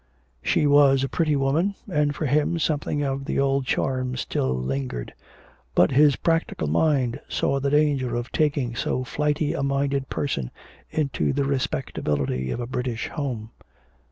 She was a pretty woman, and for him something of the old charm still lingered. But his practical mind saw the danger of taking so flighty a minded person into the respectability of a British home.